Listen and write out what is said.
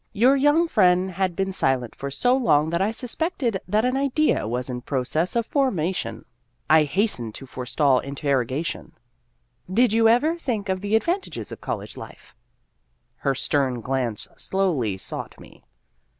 Your young friend had been silent for so long that I suspected that an idea was in process of formation. I hastened to 262 Vassar Studies forestall interrogation. " Did you ever think of the advantages of college life ?". Her stern glance slowly sought me.